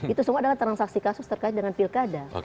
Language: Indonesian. itu semua adalah transaksi kasus terkait dengan pilkada